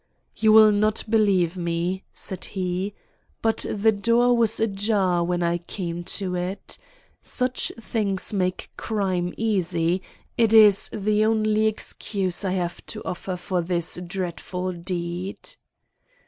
"You will not believe me," said he; "but the door was ajar when I came to it. Such things make crime easy; it is the only excuse I have to offer for this dreadful deed."